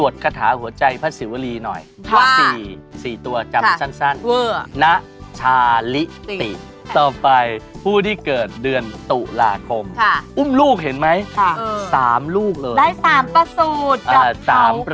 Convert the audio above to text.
ได้๓ประสูท๓ประสูท